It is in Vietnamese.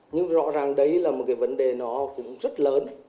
nhưng rõ ràng đây là một cái vấn đề nó cũng rất lớn